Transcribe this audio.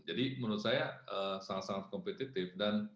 jadi menurut saya sangat sangat kompetitif